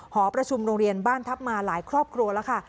หอประชุมโรงเรียนบ้านทัพมาหลายครอบครัวแล้วค่ะ